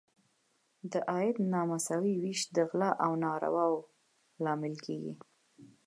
د عاید نامساوي ویش د غلا او نارواوو لامل کیږي.